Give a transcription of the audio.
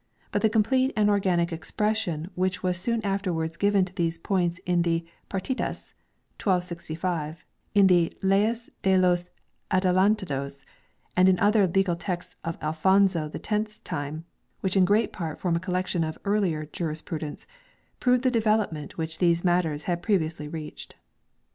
But the complete and organic ex pression which was soon afterwards given to these points in the "Partidas" (1265) in the " Leyes de los Adelantados," and in other legal texts of Alfonso the Tenth's time, which in great part form a collection of earlier jurisprudence, prove the development which these matters had previously reached.